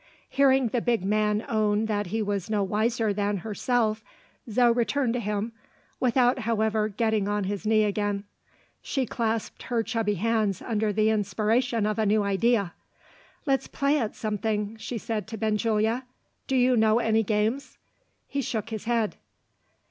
Hearing the big man own that he was no wiser than herself, Zo returned to him without, however, getting on his knee again. She clasped her chubby hands under the inspiration of a new idea. "Let's play at something," she said to Benjulia. "Do you know any games?" He shook his head.